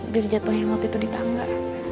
dari jatuhnya waktu itu di tangga